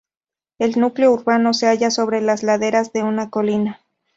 El núcleo urbano se halla sobre las laderas de una colina.